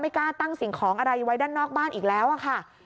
กล้าตั้งสิ่งของอะไรไว้ด้านนอกบ้านอีกแล้วอะค่ะ